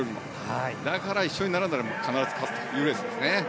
だから、一緒に並んだら必ず勝つというレースですね。